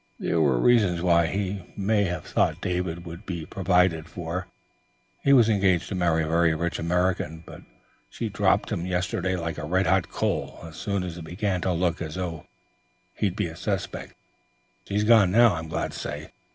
There were reasons why he may have thought David would be provided for he was engaged to marry a very rich American, but she dropped him yesterday like a red hot coal as soon as it began to look as if he'd be suspected. She's gone now, I'm glad to say.